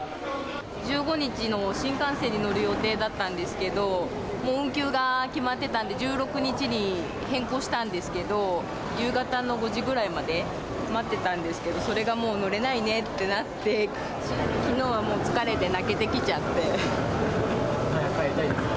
１５日の新幹線に乗る予定だったんですけど、もう運休が決まってたんで、１６日に変更したんですけど、夕方の５時ぐらいまで待ってたんですけど、それがもう乗れないねってなって、きのうはもう、早く帰りたいですか？